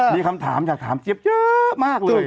มีคำถามอยากถามเจี๊ยบเยอะมากเลย